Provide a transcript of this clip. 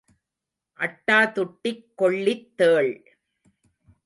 அட்டாதுட்டிக் கொள்ளித் தேள்.